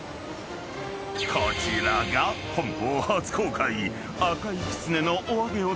［こちらが本邦初公開］